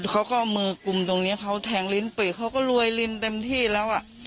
เขาก็เอามือกลุ่มตรงนี้เขาแทงลิ้นปีกเขาก็รวยลิ้นเต็มที่แล้วอ่ะ